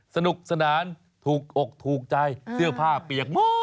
สนุกสนานถูกอกถูกใจเสื้อผ้าเปียกมือ